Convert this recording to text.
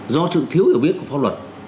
do sự thiếu hiểu biết của pháp luật